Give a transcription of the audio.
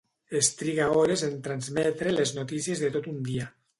Es triga hores en transmetre les notícies de tot un dia.